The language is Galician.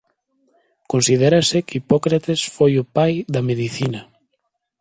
Considérase que Hipócrates foi o pai da medicina.